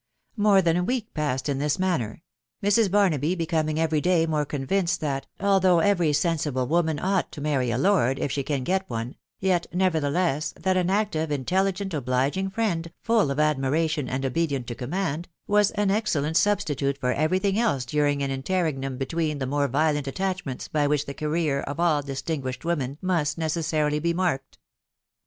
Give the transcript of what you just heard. More than a week passed in this manner ; Mrs. Barnaby becoming every day more convinced that, although every sen sible woman ought to marry a lord, if she can get one, yet, nevertheless, that an active, intelligent, obliging friend, full of admiration, and obedient to command, was an excellent substi tute for every thing else during an interregnum between the more violent attachments by which the career of all distin guished women must necessarily be marked.